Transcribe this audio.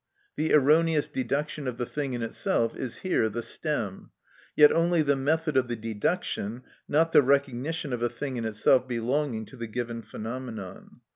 The erroneous deduction of the thing in itself is here the stem; yet only the method of the deduction, not the recognition of a thing in itself belonging to the given phenomenon.